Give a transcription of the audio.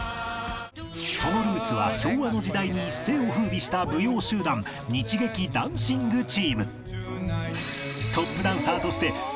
そのルーツは昭和の時代に一世を風靡した舞踊集団日劇ダンシングチーム